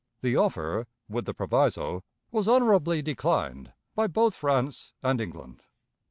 The offer, with the proviso, was honorably declined by both France and England.